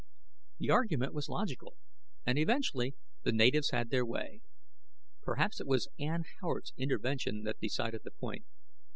The argument was logical and eventually the natives had their way. Perhaps it was Ann Howard's intervention that decided the point.